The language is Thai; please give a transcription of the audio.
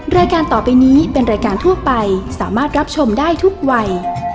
รายการต่อไปนี้เป็นรายการทั่วไปสามารถรับชมได้ทุกวัย